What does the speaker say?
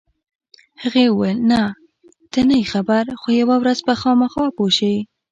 هغې وویل: نه، ته نه یې خبر، خو یوه ورځ به خامخا پوه شې.